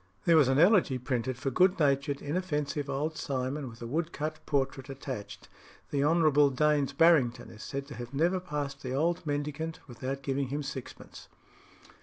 There was an elegy printed for good natured, inoffensive old Simon, with a woodcut portrait attached. The Hon. Daines Barrington is said to have never passed the old mendicant without giving him sixpence.